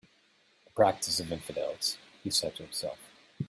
"A practice of infidels," he said to himself.